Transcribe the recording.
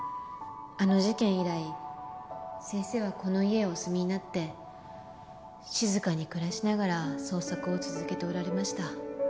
あの事件以来先生はこの家へお住みになって静かに暮らしながら創作を続けておられました。